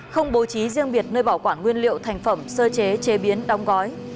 không bố trí riêng biệt nơi bảo quản nguyên liệu thành phẩm sơ chế chế biến đóng gói